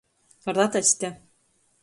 Rataste.